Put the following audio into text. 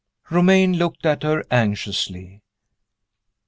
Romayne looked at her anxiously.